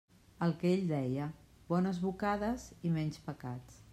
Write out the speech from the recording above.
El que ell deia: «bones bocades i menys pecats».